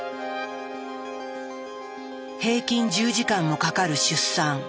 平均１０時間もかかる出産。